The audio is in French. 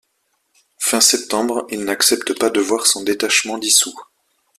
Fin septembre, il n'accepte pas de voir son détachement dissous.